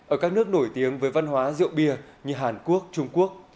ở các nước nổi tiếng với văn hóa rượu bia như hàn quốc trung quốc